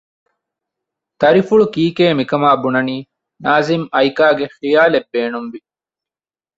ދަރިފުޅު ކީކޭ މިކަމާ ބުނަނީ؟ ނާޒިމް އައިކާގެ ޚިޔާލެއް ބޭނުންވި